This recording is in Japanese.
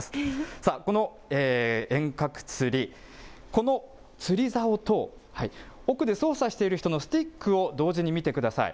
さあ、この遠隔釣り、この釣りざおと、奥で操作している人のスティックを同時に見てください。